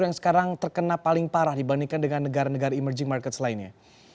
yang sekarang terkena paling parah dibandingkan dengan negara negara emerging markets lainnya